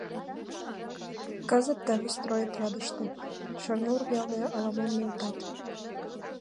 Кызыт теве стройотрядыште, Шернур велне ала-мом нӧлтат.